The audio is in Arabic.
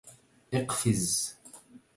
اقفز!